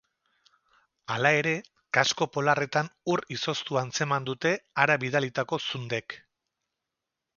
Halere, kasko polarretan ur izoztua antzeman dute hara bidalitako zundek.